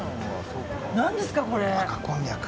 何ですか、これ。